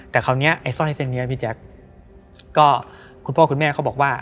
แต่คราวนี้ไอ้สร้อยเส้นนี้พี่แจ๊คก็คุณพ่อคุณแม่เขาบอกว่า